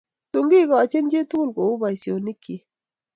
Tun kigoochin chi tugul ko u boisyonikyik.